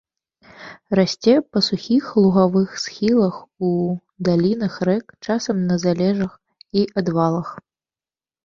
Расце па сухіх лугавых схілах, у далінах рэк, часам на залежах і адвалах.